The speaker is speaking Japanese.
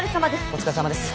お疲れさまです。